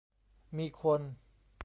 มีคน